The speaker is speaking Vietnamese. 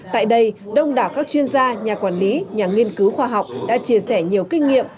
tại đây đông đảo các chuyên gia nhà quản lý nhà nghiên cứu khoa học đã chia sẻ nhiều kinh nghiệm